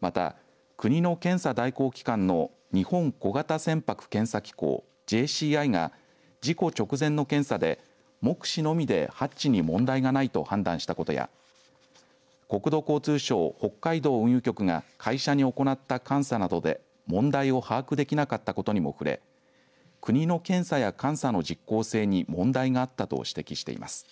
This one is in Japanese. また、国の検査代行機関の日本小型船舶検査機構、ＪＣＩが事故直前の検査で目視のみでハッチに問題がないと判断したことや国土交通省北海道運輸局が会社に行った監査などで問題を把握できなかったことにも触れ国の検査や監査の実効性に問題があったと指摘しています。